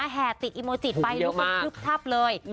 แห่ติดอิโมจิตไปรูปทับเลย